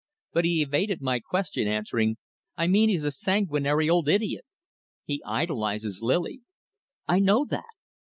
But he evaded my question, answering "I mean he's a sanguinary old idiot." "He idolises Lily." "I know that."